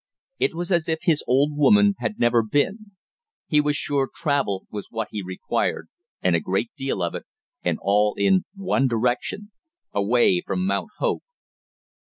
It was as if his old woman had never been. He was sure travel was what he required, and a great deal of it, and all in one direction away from Mount Hope.